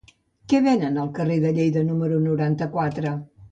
Què venen al carrer de Lleida número noranta-quatre?